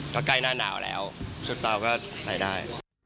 ก็ใกล้หน้าหนาวแล้วชุดเต่าก็ใส่ได้